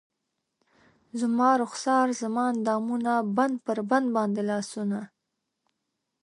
زما رخسار زما اندامونه بند پر بند باندې لاسونه